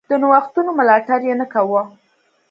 د نوښتونو ملاتړ یې نه کاوه.